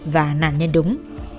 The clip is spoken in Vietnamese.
và nạn nhân đúng